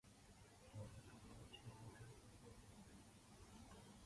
Water cannon and tear gas were used.